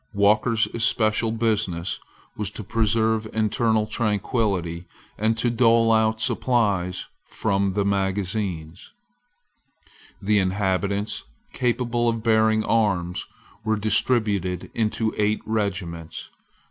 Walker's especial business was to preserve internal tranquillity, and to dole out supplies from the magazines, The inhabitants capable of bearing arms were distributed into eight regiments.